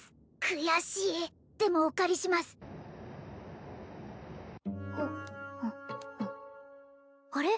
悔しいでもお借りしますあれ？